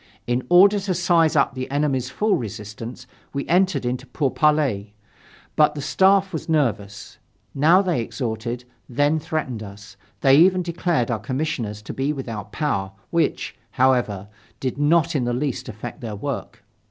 In order to size up the enemy's full resistance, we entered into pourparlers. But the Staff was nervous; now they exhorted, then threatened us, they even declared our commissioners to be without power, which, however, did not in the least affect their work.